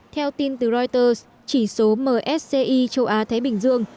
theo tin từ reuters chỉ số msci châu á thái bình dương